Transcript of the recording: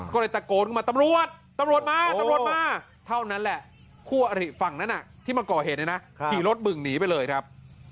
ก็เลยตะโกนขึ้นมาตำรวจตำรวจมาตำรวจมาเท่านั้นแหละคู่อริฝั่งนั้นที่มาก่อเหตุเนี่ยนะขี่รถบึ่งหนีไปเลยครับ